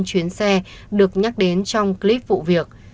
chuyến xe được nhắc đến trong clip vụ việc